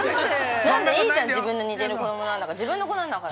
◆なんでいいじゃん、自分に似てる子供なんだから、自分の子なんだから。